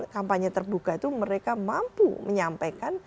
kampanye terbuka itu mereka mampu menyampaikan